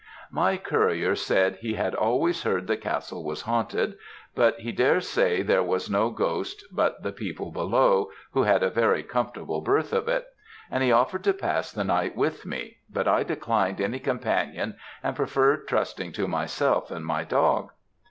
"My courier said he had always heard the castle was haunted, but he dare say there was no ghost but the people below, who had a very comfortable berth of it; and he offered to pass the night with me, but I declined any companion and preferred trusting to myself and my dog.